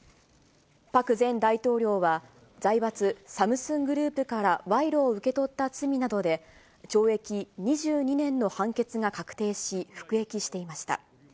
パク前大統領は財閥、サムスングループから賄賂を受け取った罪などで、懲役２２年の判決が確定し、服役していました。